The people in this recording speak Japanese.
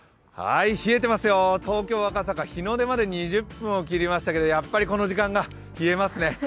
冷えてますよ、東京・赤坂日の出まで２０分を切りましたけどやっぱりこの時間は冷えますね。